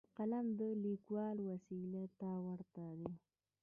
قلم د لیکوال وسلې ته ورته دی.